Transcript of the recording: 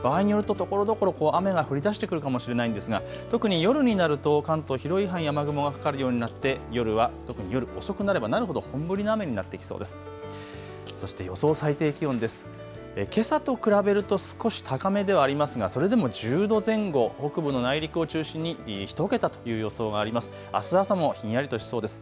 場合によるとところどころ雨が降りだしてくるかもしれないんですが、特に夜になると関東広い範囲、雨雲がかかるようになって夜は特に夜遅くなればなるほど本降りの雨になっていきそうです。